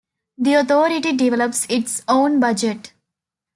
The Authority develops its own budget.